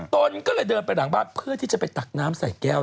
ตนก็เลยเดินไปหลังบ้านเพื่อที่จะไปตักน้ำใส่แก้ว